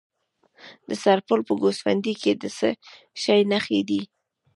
د سرپل په ګوسفندي کې د څه شي نښې دي؟